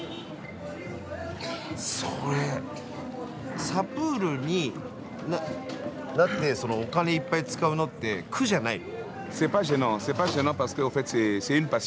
それサプールになってお金いっぱい使うのって苦じゃないの？